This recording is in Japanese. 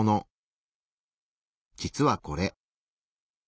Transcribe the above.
実はこれ。